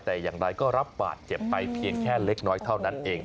แต่อย่างไรก็รับบาดเจ็บไปเพียงแค่เล็กน้อยเท่านั้นเอง